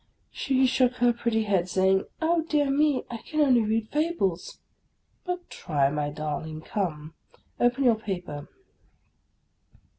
She shook her pretty head, saying, —" Oh, dear me ! I can only read fables." " But try, my darling, come, open your paper."